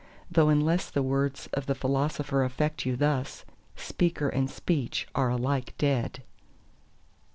though unless the words of the Philosopher affect you thus, speaker and speech are alike dead.